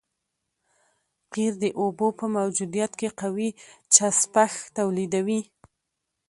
قیر د اوبو په موجودیت کې قوي چسپش تولیدوي